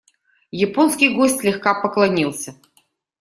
Японский гость слегка поклонился.